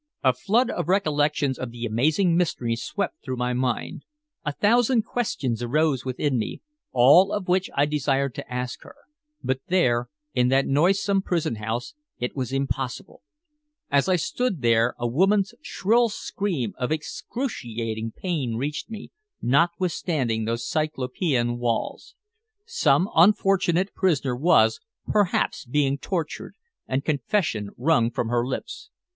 A flood of recollections of the amazing mystery swept through my mind. A thousand questions arose within me, all of which I desired to ask her, but there, in that noisome prison house, it was impossible. As I stood there a woman's shrill scream of excruciating pain reached me, notwithstanding those cyclopean walls. Some unfortunate prisoner was, perhaps, being tortured and confession wrung from her lips.